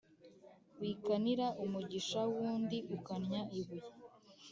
Wikanira umugisha w’undi ukannya ibuye.